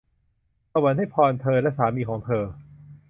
สวรรค์ให้พรเธอและสามีของเธอ !